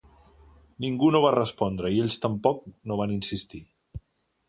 Ningú no va respondre i ells tampoc no van insistir.